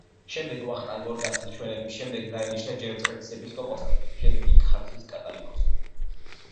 შემდეგ ვახტანგ გორგასალის ჩვენების შემდეგ დაინიშნა ჯერ მცხეთის ეპისკოპოსად შემდეგ კი ქართლის კათალიკოსად.